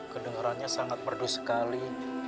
kedengarannya sangat merdu sekali